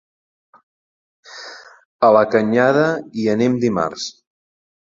A la Canyada hi anem dimarts.